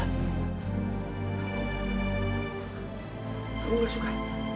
kamu gak suka